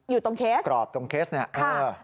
อยู่กรอบตรงเคสอยู่ตรงเคส